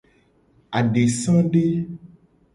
Adesade.